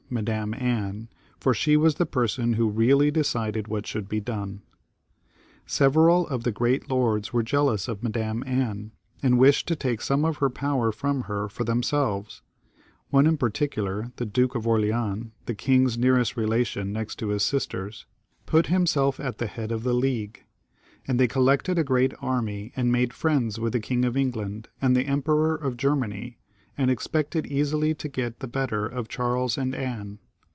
Madam Anne, for she was the person who really decided what should be done. Several of the great lords were jealous of Madam Anne, and wished to take some of her power from her for themr 226 CHARLES VIII. [CH. selves. One in particular, the Duke of Orleans, the king's nearest relation next to his sisters, put himself at the head of the league ; and they collected a great army, and made Mends with the King of England and the Emperor of Germany, and expected easily to get the better of Charles and Anne.